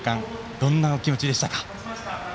どんなお気持ちでしたか？